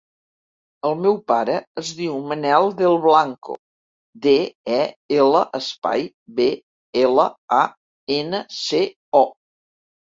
El meu pare es diu Manel Del Blanco: de, e, ela, espai, be, ela, a, ena, ce, o.